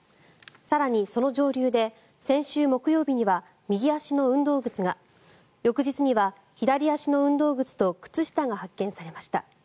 更にその上流で先週木曜日には右足の運動靴が翌日には左足の運動靴と靴下が発見されました。